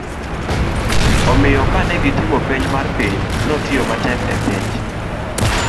omiyo kane gitimo penj mar piny, notiyo matek e penj